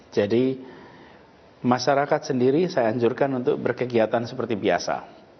jadi masyarakat sendiri saya anjurkan untuk berkegiatan seperti biasa